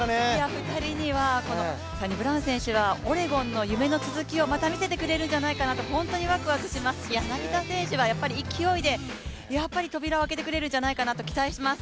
２人にはサニブラウン選手はオレゴンの夢の続きをまた見せてくれるんじゃないかなと本当にワクワクしますし、柳田選手は勢いでやっぱり扉を開けてくれるんじゃないかなと期待します。